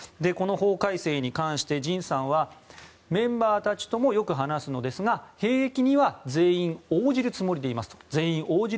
この法改正に関してＪＩＮさんはメンバーたちともよく話すのですが兵役には全員応じるつもりでいますと。